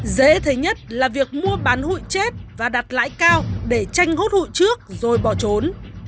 dễ thấy nhất là việc mua bán hụi chết và đặt lãi cao để tranh hốt hụi trước rồi bỏ trốn